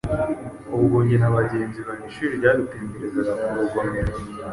Ubwo nge na bagenzi bange ishuri ryadutemberezaga ku rugomero